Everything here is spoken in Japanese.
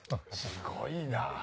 すごいな。